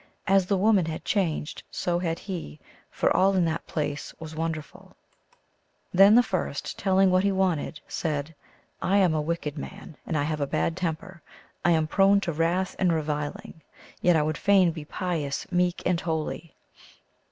As the woman had changed, so had he, for al] in that place was wonderful. GLOOSKAP THE DIVINITY. 101 Then the first, telling what he wanted, said, " I am a wicked man, and I have a bad temper. I am prone to wrath and reviling, yet I would fain be pious, meek, and holy."